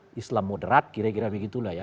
kira kira islam moderat kira kira begitulah ya